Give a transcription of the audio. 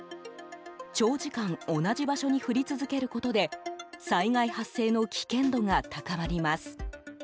長時間同じ場所に降り続けることで災害発生の危険度が高まります。